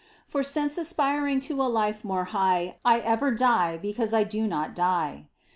For since aspiring to a life more high I ever die because I do not die.